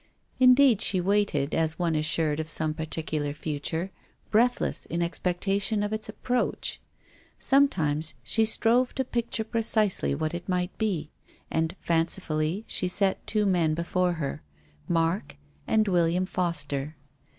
Indeed she waited, as one assured of some particular future, breathless in expectation of its approach. Some times she strove to picture precisely what it might be, and, fancifully, she set two men before her — Mark and " William Foster."